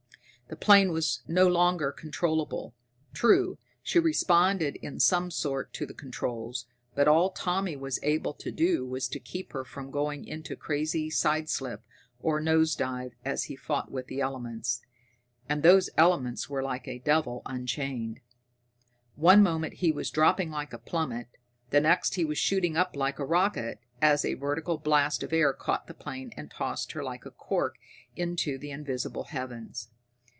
The plane was no longer controllable. True, she responded in some sort to the controls, but all Tommy was able to do was to keep her from going into a crazy sideslip or nose dive as he fought with the elements. And those elements were like a devil unchained. One moment he was dropping like a plummet, the next he was shooting up like a rocket as a vertical blast of air caught the plane and tossed her like a cork into the invisible heavens.